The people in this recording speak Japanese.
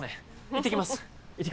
行ってきます